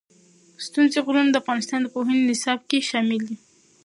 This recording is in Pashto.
ستوني غرونه د افغانستان د پوهنې نصاب کې شامل دي.